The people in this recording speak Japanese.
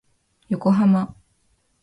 横浜